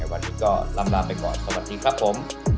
วันนี้ก็ลำลาไปก่อนสวัสดีครับผม